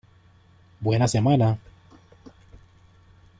Buena semana.